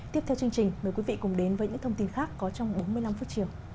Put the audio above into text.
tiếp theo chương trình mời quý vị cùng đến với những thông tin khác có trong bốn mươi năm phút chiều